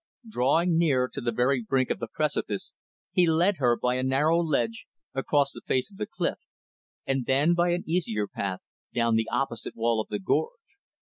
Drawing near to the very brink of the precipice, he led her, by a narrow ledge, across the face of the cliff; and then, by an easier path, down the opposite wall of the gorge.